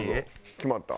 決まった？